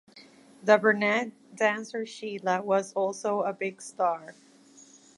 The brunette dancer, Scheila, was also a big star.